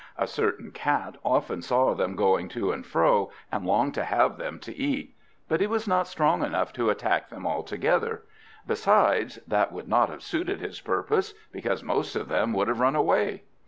A certain Cat often saw them going to and fro, and longed to have them to eat. But he was not strong enough to attack them all together; besides, that would not have suited his purpose, because most of them would have run away.